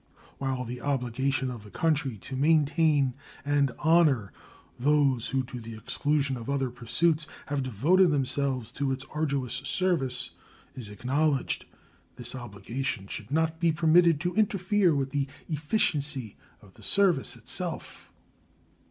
While the obligation of the country to maintain and honor those who, to the exclusion of other pursuits, have devoted themselves to its arduous service is acknowledged, this obligation should not be permitted to interfere with the efficiency of the service itself.